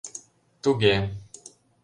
— Туге!